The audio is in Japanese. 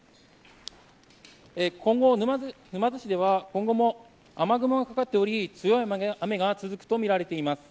今後、沼津市では雨雲がかかっており強い雨が続くとみられています。